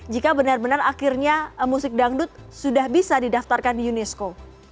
jika benar benar akhirnya musik dangdut sudah bisa didaftarkan di unesco